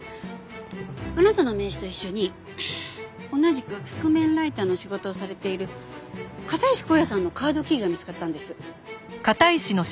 あなたの名刺と一緒に同じく覆面ライターの仕事をされている片石耕哉さんのカードキーが見つかったんです。